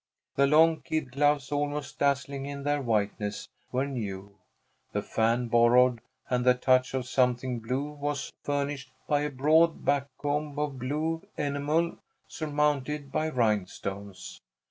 The long kid gloves, almost dazzling in their whiteness, were new, the fan borrowed, and the touch of something blue was furnished by a broad back comb of blue enamel surmounted by rhinestones.